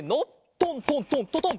トントントントトン。